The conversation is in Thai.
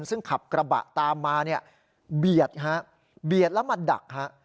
ซึ่งขับกระบะตามมาเนี่ยเบียดฮะเบียดแล้วมาดักฮะ